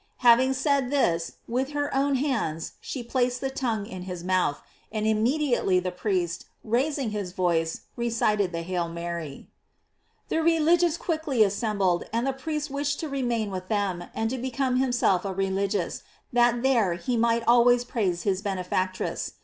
Having said this, with her own hands she plac ed the tongue in his mouth, and immediately the priest, raising his voice, recited the "Hail Mary." The religious quickly assembled, and the priest wished to remain with them, and to become himself a religious, that there he might always praise his benefactress.